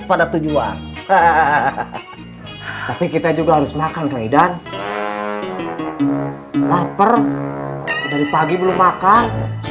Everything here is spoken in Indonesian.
pada tujuan hahaha tapi kita juga harus makan keledan laper dari pagi belum makan